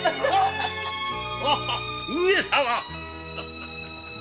上様！